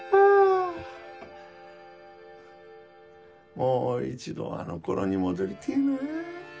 もう一度あの頃に戻りてぇなぁ。